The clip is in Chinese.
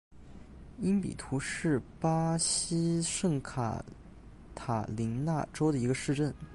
因比图巴是巴西圣卡塔琳娜州的一个市镇。